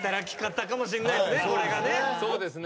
そうですね。